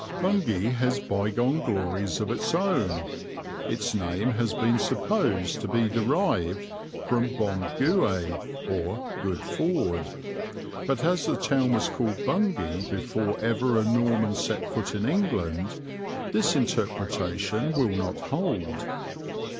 "Bungay has bygone glories of its own. Its name has been supposed to be derived from Bon Gué or Good Ford, but as the town was called Bungay before ever a Norman set foot in England, this interpretation will not hold.